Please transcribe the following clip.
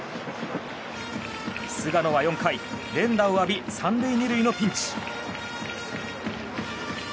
菅野は４回、連打を浴び３塁２塁のピンチ。